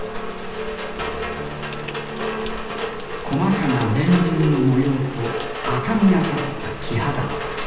細かな年輪の模様と赤みがかった木肌。